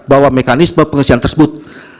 bahwa mekanisme pengisian tersebut